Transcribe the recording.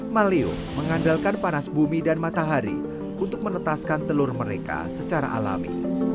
malio mengandalkan panas bumi dan matahari untuk menetaskan telur mereka secara alami